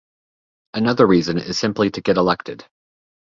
Another reason is simply to get elected.